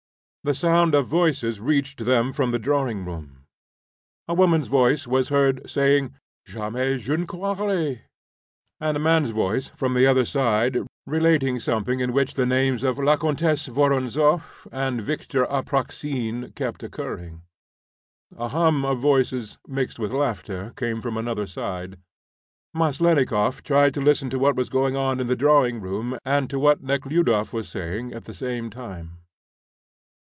The sound of voices reached them from the drawing room. A woman's voice was heard, saying, "Jamais je ne croirais," and a man's voice from the other side relating something in which the names of la Comtesse Voronzoff and Victor Apraksine kept recurring. A hum of voices, mixed with laughter, came from another side. Maslennikoff tried to listen to what was going on in the drawing room and to what Nekhludoff was saying at the same time.